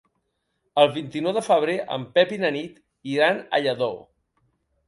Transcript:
El vint-i-nou de febrer en Pep i na Nit iran a Lladó.